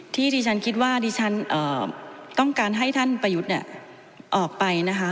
ที่ดิฉันคิดว่าดิฉันต้องการให้ท่านประยุทธ์ออกไปนะคะ